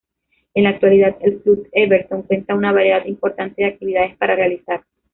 En la actualidad el Club Everton cuenta una variedad importante de actividades para realizar.